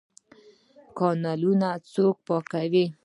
کانالونه څوک پاکوي؟